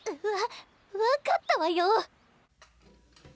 わ分かったわよ。